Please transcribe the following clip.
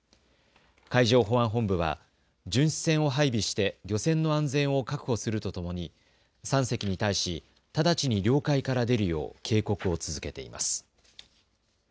海上保安本部は巡視船を配備して漁船の安全を確保するとともに３隻に対し直ちに領海から出るよう警告を続けています。